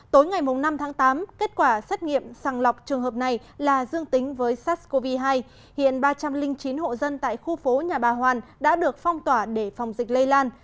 tối ngày năm tháng tám kết quả xét nghiệm sàng lọc trường hợp này là dương tính với sars cov hai hiện ba trăm linh chín hộ dân tại khu phố nhà bà hoàn đã được phong tỏa để phòng dịch lây lan